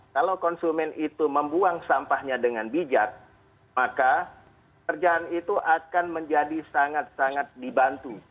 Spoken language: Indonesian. kalau konsumen itu membuang sampahnya dengan bijak maka kerjaan itu akan menjadi sangat sangat dibantu